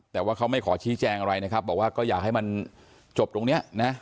แต่ว่าเขาไม่ขอชี้แจงอะไรนะครับบอกว่าก็อยากให้มันจบตรงเนี้ยนะ